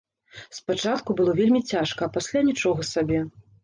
Спачатку было вельмі цяжка, а пасля нічога сабе.